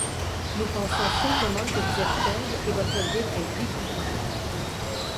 Nous pensons simplement que vous êtes faible et votre ville est dégoûtante.